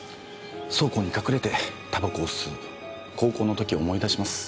倉庫に隠れて煙草を吸う高校の時を思い出します。